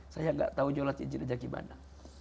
saya gak tahu nyulatin jenazah gimana